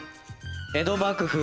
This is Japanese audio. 江戸幕府